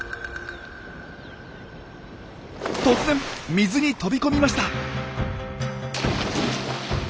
突然水に飛び込みました！